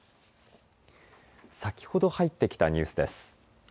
先ほど入ってきたニュースです。